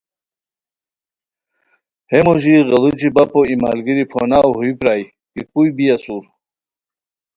ہے موژی غیڑوچی بپو ای ملگیری پھوناؤ ہوئی پرائے کی کوئی بی اسور